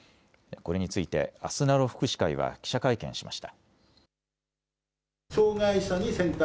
これについてあすなろ福祉会は記者会見しました。